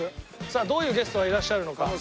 さあどういうゲストがいらっしゃるのか？